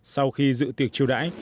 sau khi dự tiệc chiều đãi